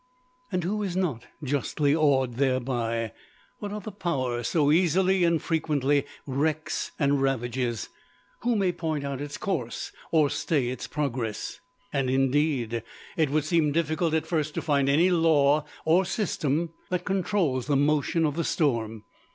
And who is not justly awed thereby? What other power so easily and frequently wrecks and ravages? Who may point out its course or stay its progress? And indeed it would seem difficult at first to find any law or system that controls the motion of the storm.